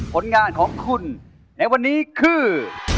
ผลงานของคุณในวันนี้คือ